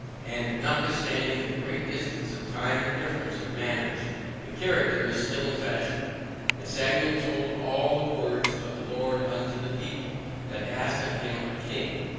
And notwithstanding the great distance of time and difference of manners, the character is still in fashion. AND SAMUEL TOLD ALL THE WORDS OF THE LORD UNTO THE PEOPLE, THAT ASKED OF HIM A KING.